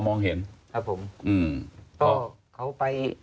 พอมองเห็นครับผม